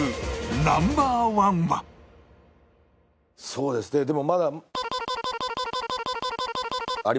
そうですねでも。